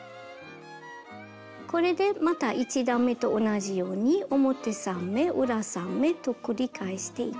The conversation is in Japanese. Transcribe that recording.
これでまた１段めと同じように表３目裏３目と繰り返していきます。